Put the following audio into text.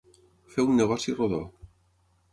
Fer un negoci rodó.